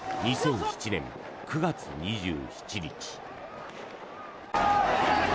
２００７年９月２７日。